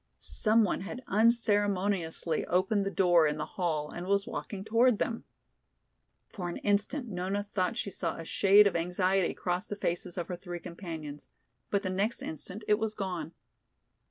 Some one had unceremoniously opened the door in the hall and was walking toward them. For an instant Nona thought she saw a shade of anxiety cross the faces of her three companions, but the next instant it was gone.